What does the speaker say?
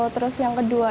terus yang kedua